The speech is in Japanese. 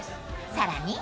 ［さらに］